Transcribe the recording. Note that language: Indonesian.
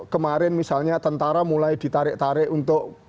kemarin misalnya tentara mulai ditarik tarik untuk